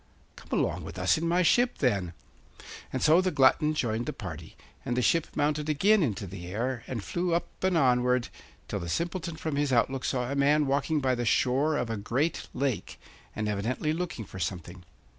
'Come along with us in my ship, then.' And so the glutton joined the party, and the ship mounted again into the air, and flew up and onward, till the Simpleton from his outlook saw a man walking by the shore of a great lake, and evidently looking for something.